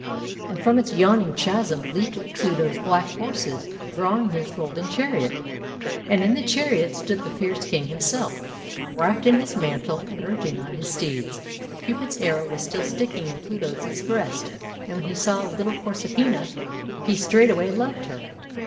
And from its yawning chasm leaped Pluto's black horses, drawing his golden chariot. And in the chariot stood the fierce King himself, wrapped in his mantle and urging on his steeds. Cupid's arrow was still sticking in Pluto's breast, and when he saw little Proserpina he straightway loved her.